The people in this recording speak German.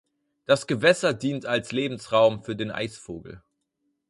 Das Gewässer dient als Lebensraum für den Eisvogel.